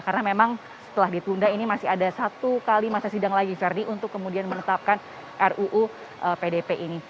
karena memang setelah ditunda ini masih ada satu kali masa sidang lagi verdi untuk kemudian menetapkan ruu pdp ini